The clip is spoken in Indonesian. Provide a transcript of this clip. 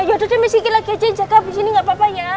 yaudah deh miss kiki lagi aja yang jaga abis ini gak apa apanya